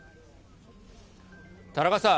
田中さん。